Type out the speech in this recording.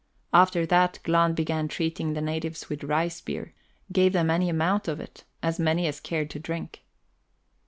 After that, Glahn began treating the natives with rice beer gave them any amount of it, as many as cared to drink.